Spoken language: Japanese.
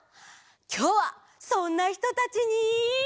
きょうはそんなひとたちに。